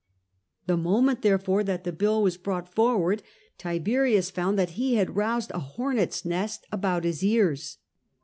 The moment, therefore, that the bill was brought forward, Tiberius found that he had roused a hornets' nest about his ears.